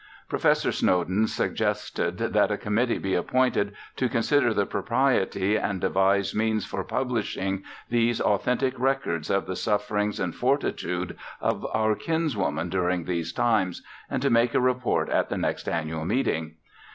Professor Snowden suggested that a committee be appointed to consider the propriety and devise means for publishing these authentic records of the sufferings and fortitude of our kinswomen during those times, and to make a report at the next annual meeting.